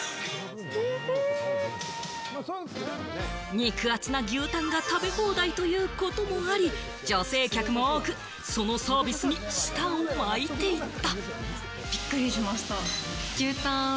肉厚な牛タンが食べ放題ということもあり、女性客も多く、そのサービスに舌を巻いていた。